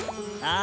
あ